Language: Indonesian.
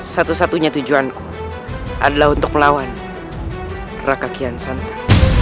satu satunya tujuanku adalah untuk melawan rakakian santa